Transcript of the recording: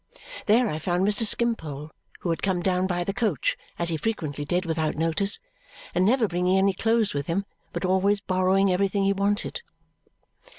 There I found Mr. Skimpole, who had come down by the coach, as he frequently did without notice, and never bringing any clothes with him, but always borrowing everything he wanted.